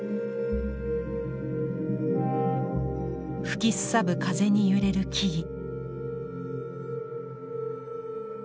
吹きすさぶ風に揺れる木々。